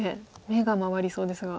目が回りそうですが。